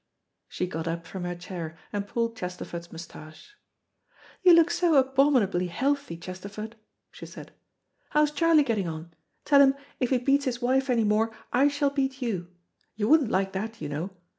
'" She got up from her chair, and pulled Chesterford's moustache. "You look so abominably healthy, Chesterford," she said. "How's Charlie getting on? Tell him if he beats his wife anymore, I shall; beat you. You wouldn't like that, you know.